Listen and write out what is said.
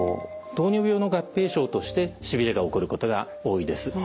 糖尿病の合併症としてしびれが起こることが多いです。